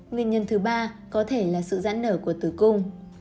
nguyên nhân thứ ba có thể là sự giãn nở của tử cung